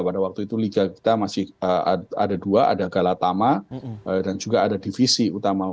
pada waktu itu liga kita masih ada dua ada galatama dan juga ada divisi utama